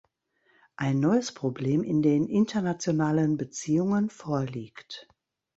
Ein neues Problem in den internationalen Beziehungen“ vorliegt.